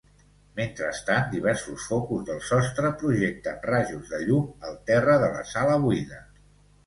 Mentrestant, diversos focus del sostre projecten rajos de llum al terra de la sala buida.